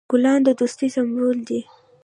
ګلان د دوستی سمبول دي.